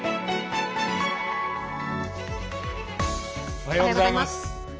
おはようございます。